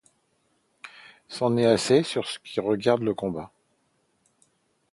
C'en est assez sur ce qui regarde le combat.